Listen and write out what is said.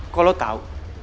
kok lo tau